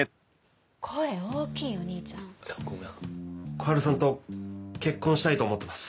小春さんと結婚したいと思ってます。